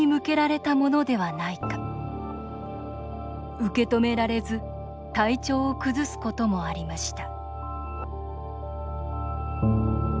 受け止められず体調を崩すこともありました。